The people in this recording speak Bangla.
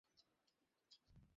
আমাকে জেনারেল বলে ডাকবে!